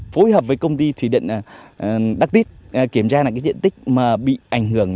phối hợp với công ty thủy điện đắc tít kiểm tra lại cái diện tích mà bị ảnh hưởng